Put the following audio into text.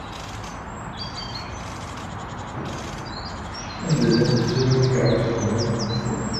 Anda llant tsura n tkeṛṛust-nwen?